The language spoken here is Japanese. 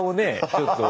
ちょっと。